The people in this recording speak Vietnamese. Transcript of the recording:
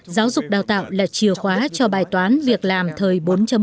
giáo dục đào tạo là chìa khóa cho bài toán việc làm thời bốn